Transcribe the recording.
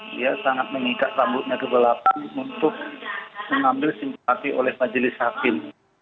dia sangat mengikat rambutnya kebelapan untuk mengambil simpati oleh majelis hakim